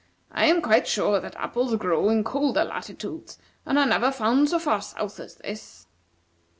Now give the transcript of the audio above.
I am quite sure that apples grow in colder latitudes, and are never found so far south as this."